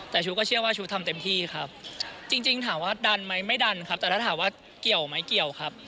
แต่ชู้ก็เชื่อว่าชู้ทำเต็มที่ครับจริงถามว่าดันไหมไม่ดันครับแต่ถ้าถามว่าเกี่ยวไหมเกี่ยวครับ